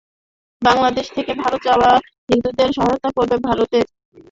বাংলাদেশ থেকে ভারতে যাওয়া হিন্দুদের সহায়তা করবে ভারতের ক্ষমতাসীন বিজেপির পশ্চিমবঙ্গ রাজ্য শাখা।